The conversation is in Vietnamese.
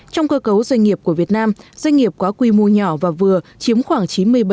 trong cơ cấu doanh nghiệp của việt nam doanh nghiệp có quy mô nhỏ và vừa chiếm khoảng chín mươi bảy